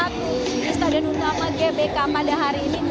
di stadion utama gbk pada hari ini